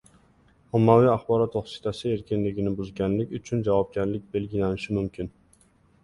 Ommaviy axborot vositasi erkinligini buzganlik uchun javobgarlik belgilanishi mumkin